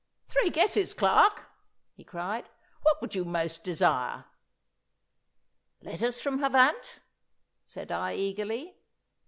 'Three guesses, Clarke!' he cried. 'What would you most desire?' 'Letters from Havant,' said I eagerly.